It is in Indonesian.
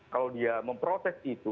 kalau dia memproses itu